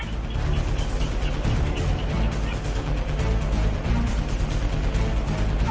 จับมับเขาให้